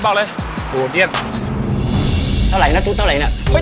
ไปก่อนด้วยมาหลังไปก่อนมาแล้ว